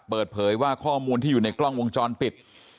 เปิดเผยว่าข้อมูลที่อยู่ในกล้องวงจรปิด